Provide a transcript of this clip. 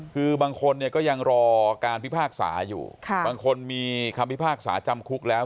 คือบางคนเนี่ยก็ยังรอการพิพากษาอยู่บางคนมีคำพิพากษาจำคุกแล้ว